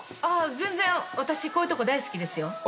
あっ全然私こういうとこ大好きですよ。